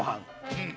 うん。